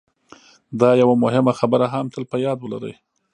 دا یوه مهمه خبره هم تل په یاد ولرئ